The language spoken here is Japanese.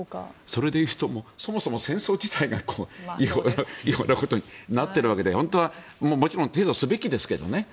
それで言うとそもそも戦争自体が違法なことになっているわけで本当はもちろん提訴すべきですけどね。